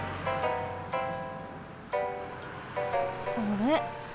あれ？